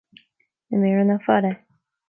Na méireanna fada